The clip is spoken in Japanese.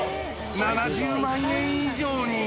７０万円以上に。